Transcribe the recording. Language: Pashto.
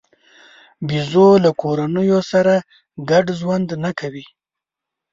بیزو له کورنیو سره ګډ ژوند نه کوي.